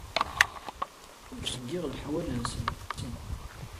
Ur asen-d-ttheyyiɣ leḥwal-nsen.